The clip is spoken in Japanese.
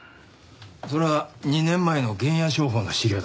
それは２年前の原野商法の資料だな。